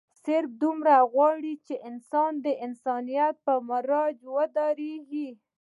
صرف دومره غواړي چې انسان د انسانيت پۀ معراج اودريږي